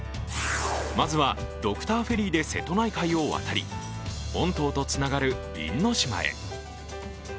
まずはドクターフェリーで瀬戸内海を渡り、本当とつながる因島へ。